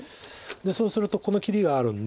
でそうするとこの切りがあるんで。